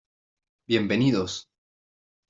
Bienvenidos.